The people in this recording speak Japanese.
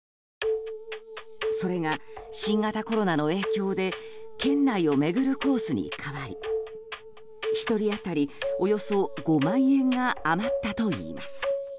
それが新型コロナの影響で県内を巡るコースに変わり１人当たりおよそ５万円が余ったといいます。